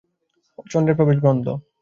চন্দ্রের প্রবেশ চন্দ্র।